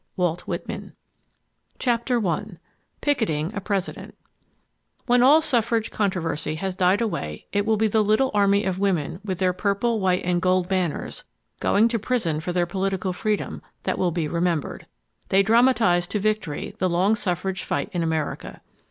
WALT WHITMAN Chapter 1 Picketing a President When all suffrage controversy has died away it will be the little army of women with their purple, white and gold banners, going to prison for their political freedom, that will be remembered. They dramatized to victory the long suffrage fight in America.